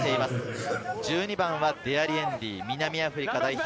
１２番はデアリエンディ、南アフリカ代表。